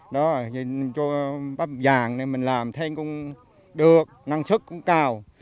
đó bắp vàng này mình làm thấy cũng được năng suất cũng cao